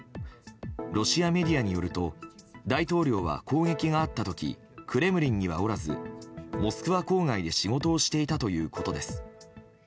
ロシアメディアによると大統領は攻撃があった時クレムリンにはおらずモスクワ郊外で仕事をしていたということです。